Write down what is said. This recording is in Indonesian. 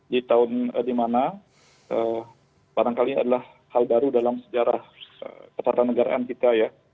di tahun di mana barangkali adalah hal baru dalam sejarah ketatanegaraan kita ya